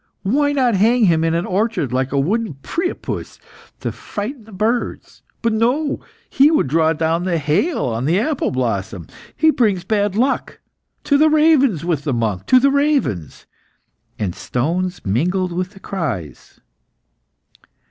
Why not hang him in an orchard, like a wooden Priapus, to frighten the birds? But no; he would draw down the hail on the apple blossom. He brings bad luck. To the ravens with the monk! to the ravens!" and stones mingled with the cries.